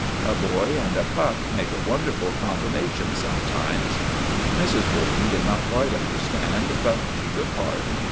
A boy and a pup make a wonderful com bination, sometimes." Mrs. Borden did not quite understand, but she took heart.